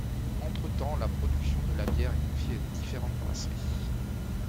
Entretemps, la production de la bière est confiée à différentes brasseries.